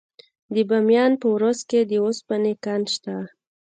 د بامیان په ورس کې د وسپنې کان شته.